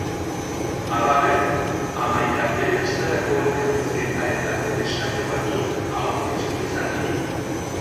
Halaber, Hamaika Telebistarako elkarrizketa eta telesaio batzuk aurkeztu izan ditu.